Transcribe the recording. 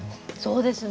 そうですね。